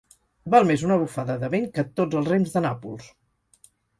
Val més una bufada de vent que tots els rems de Nàpols.